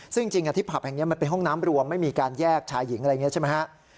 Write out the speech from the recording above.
ซึ่งจริงที่ผับแห่งนี้มันเป็นห้องน้ำรวมไม่มีการแยกชายหญิงอะไรอย่างนี้ใช่ไหมฮะ